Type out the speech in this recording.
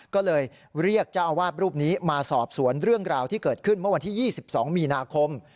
ก็เลยเรียกเจ้าอาวาสรูปนี้มาสอบสวนเรื่องราวที่เกิดขึ้นเมื่อวันที่๒๒มีนาคม